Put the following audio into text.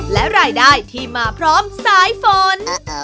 และรายได้ที่มาพร้อมสายฝน